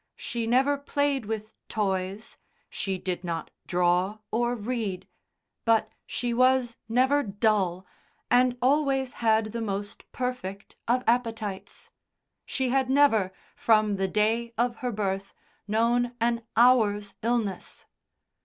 She never played with toys she did not draw or read but she was never dull, and always had the most perfect of appetites. She had never, from the day of her birth, known an hour's illness.